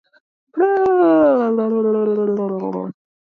Paynesville is located along the North Fork of the Crow River and Lake Koronis.